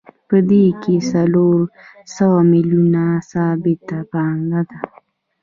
په دې کې څلور سوه میلیونه ثابته پانګه ده